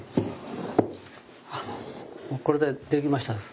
これでできましたです。